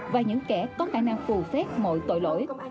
và những kẻ có khả năng phù phép mọi tội lỗi